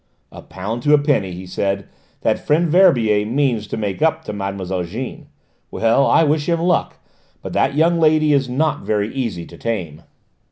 "A pound to a penny," he said, "that friend Verbier means to make up to Mlle. Jeanne. Well, I wish him luck! But that young lady is not very easy to tame!"